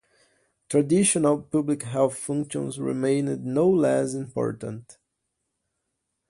Traditional public health functions remained no less important.